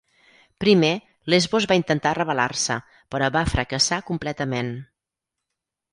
Primer, Lesbos va intentar rebel·lar-se, però va fracassar completament.